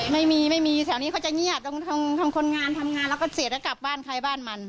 ไม่มีไม่มีแถวนี้เขาจะเงียบตรงทางคนงานทำงานแล้วก็เสียแล้วกลับบ้านใครบ้านมัน